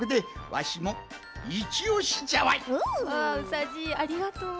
わうさじいありがとう！